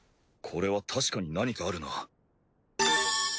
これは確かに何かあるな。